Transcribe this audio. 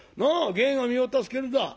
『芸は身を助ける』だ。